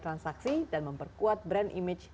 transaksi dan memperkuat brand image